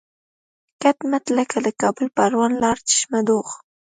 کټ مټ لکه د کابل پروان لاره کې چشمه دوغ.